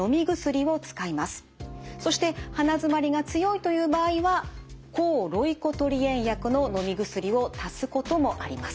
そして鼻づまりが強いという場合は抗ロイコトリエン薬ののみ薬を足すこともあります。